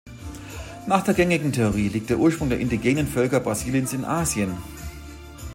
Nach der gängigsten Theorie liegt der Ursprung der indigenen Völker Brasiliens in Asien.